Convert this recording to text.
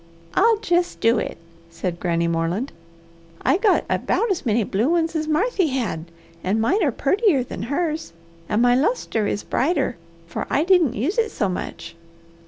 "I'll jest do it!" said Granny Moreland. "I got about as many blue ones as Marthy had an' mine are purtier than hers. And my lustre is brighter, for I didn't use it so much.